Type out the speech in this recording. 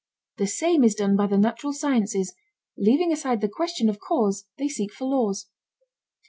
The same is done by the natural sciences: leaving aside the question of cause, they seek for laws.